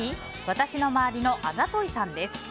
私の周りのあざといさんです。